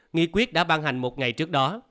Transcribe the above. nghị quyết đã ban hành một ngày trước đó